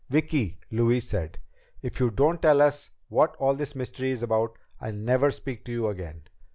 "Vicki," Louise said, "if you don't tell us what all this mystery is about, I'll never speak to you again."